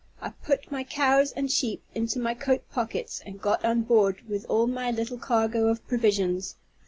I put my cows and sheep into my coat pockets, and got on board with all my little cargo of provisions.